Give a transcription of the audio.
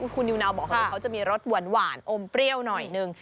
คุณยูนาวบอกเขาจะมีรสหว่านโอมเปรี้ยวหน่อยหนึ่ง